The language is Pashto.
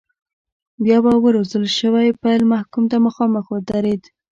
بیا به روزل شوی پیل محکوم ته مخامخ ودرېد.